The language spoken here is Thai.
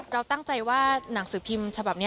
เราตั้งใจว่าหนังสือพิมพ์ฉบับนี้